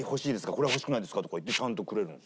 「これは欲しくないですか？」とか言ってちゃんとくれるの。